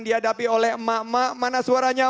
dihadapi oleh emak emak mana suaranya